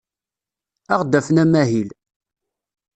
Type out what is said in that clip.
Ad aɣ-d-afen amahil.